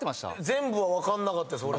全部は分かんなかった。